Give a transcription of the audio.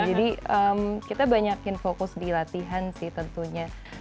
jadi kita banyakin fokus di latihan sih tentunya